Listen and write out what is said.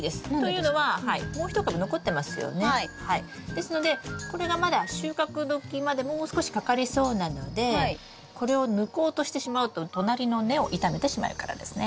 ですのでこれがまだ収穫時までもう少しかかりそうなのでこれを抜こうとしてしまうと隣の根を傷めてしまうからですね。